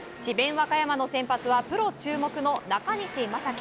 和歌山の先発はプロ注目の中西聖輝。